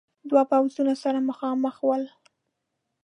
دو پوځونه سره مخامخ ول.